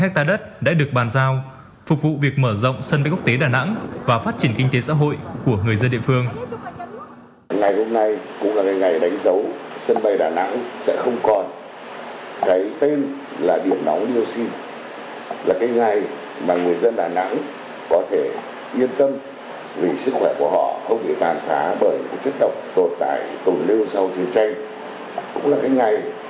hai mươi bốn hectare đất đã được bàn giao phục vụ việc mở rộng sân bay quốc tế đà nẵng và phát triển kinh tế xã hội của người dân địa phương